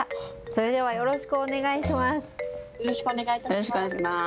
それではよろしくお願いします。